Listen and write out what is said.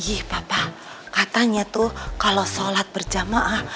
ih papa katanya tuh kalau sholat berjamaah